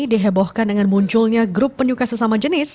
dihebohkan dengan munculnya grup penyuka sesama jenis